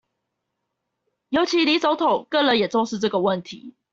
尤其李總統個人也重視這個問題